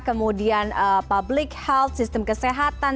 kemudian public health sistem kesehatan